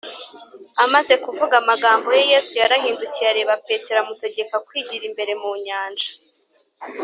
amaze kuvuga amagambo ye, yesu yarahindukiye areba petero amutegeka kwigira imbere mu nyanja